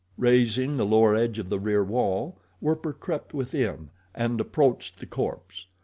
Raising the lower edge of the rear wall, Werper crept within and approached the corpse.